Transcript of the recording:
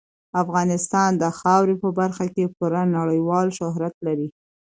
افغانستان د خاورې په برخه کې پوره نړیوال شهرت لري.